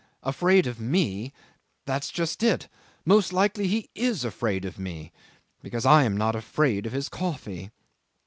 Afraid of me! That's just it. Most likely he is afraid of me because I am not afraid of his coffee."